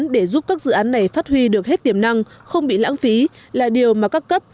để giúp các dự án này phát huy được hết tiềm năng không bị lãng phí là điều mà các cấp